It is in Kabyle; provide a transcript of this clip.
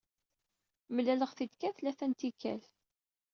Mlaleɣ-t-id kan tlata n tikkal.